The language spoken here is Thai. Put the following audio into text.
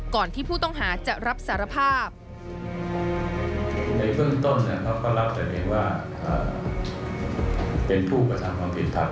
ก่อนที่ผู้ต้องหาจะรับสารภาพ